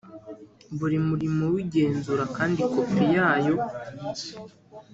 buri murimo w igenzura kandi kopi yayo